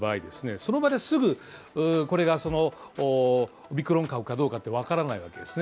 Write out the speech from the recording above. その場ですぐこれがオミクロン株かどうかってわからないわけですね